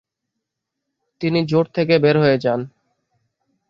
তিনি জোট থেকে বের হয়ে যান।